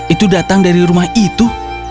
itu datang dari rumah itu